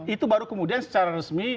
itu baru kemudian secara resmi